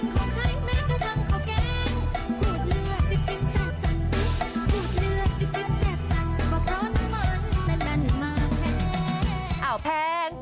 ก็เพราะน้ำมันน้ำมันมาแพง